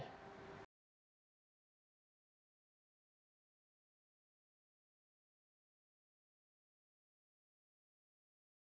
terima kasih gede nyoman wiryadinata melaporkan langsung dari bali